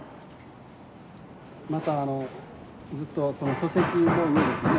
またあのずっとこの礎石の上ですね